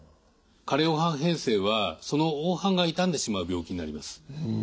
加齢黄斑変性はその黄斑が傷んでしまう病気になります。